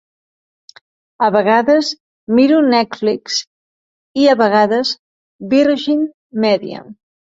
A vegades miro Netflix i a vegades Virgin Media.